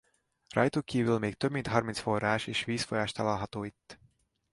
Rajtuk kívül még több mint harminc forrás és vízfolyás található itt.